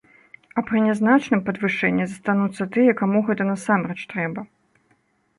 А пры нязначным падвышэнні застануцца тыя, каму гэта насамрэч трэба.